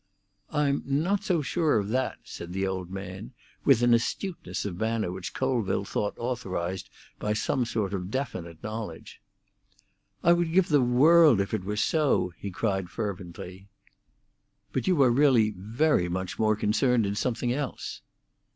"I'm not so sure of that," said the old man, with an astuteness of manner which Colville thought authorised by some sort of definite knowledge. "I would give the world if it were so!" he cried fervently. "But you are really very much more concerned in something else."